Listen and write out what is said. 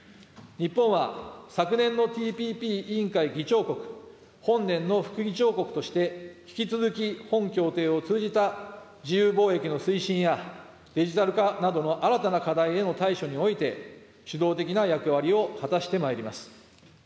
日本は昨年のＴＰＰ委員会議長国、本年の副議長国として、引き続き本協定を通じた自由貿易の推進や、デジタル化などの新たな課題への対処において主導的な役割を果たしてまいります。